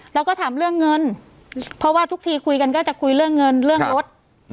เราก็ถามเรื่องเงินเพราะว่าทุกทีคุยกันก็จะคุยเรื่องเงินเรื่องรถ